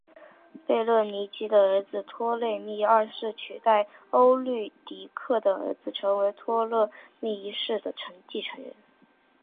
贝勒尼基的儿子托勒密二世取代欧律狄刻的儿子成为托勒密一世的继承人。